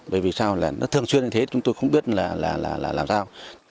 bởi vì sao là nó thường xuyên như thế chúng tôi không biết là làm sao